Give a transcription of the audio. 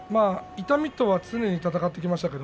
痛みとは常に戦ってきました。